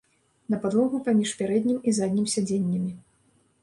На падлогу паміж пярэднім і заднім сядзеннямі.